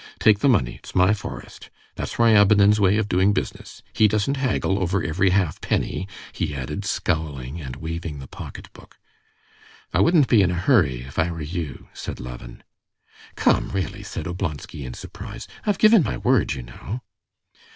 "Take the money; it's my forest. That's Ryabinin's way of doing business; he doesn't haggle over every half penny," he added, scowling and waving the pocketbook. "I wouldn't be in a hurry if I were you," said Levin. "Come, really," said Oblonsky in surprise. "I've given my word, you know."